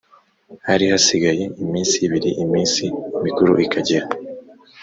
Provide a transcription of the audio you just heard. Harihasigaye iminsi ibiri iminsi mikuru ikagera